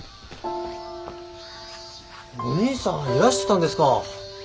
お義兄さんいらしてたんですか！